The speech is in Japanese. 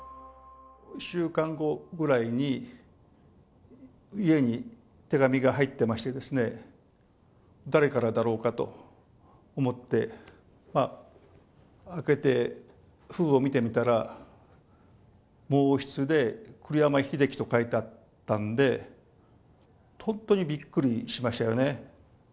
１週間後ぐらいに家に手紙が入ってまして、誰からだろうかと思って開けて封を見てみたら、毛筆で、栗山英樹と書いてあったんで、本当にびっくりしましたよね。